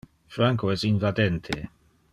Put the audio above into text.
Franco es invadente.